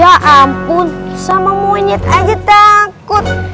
ya ampun sama monyet aja takut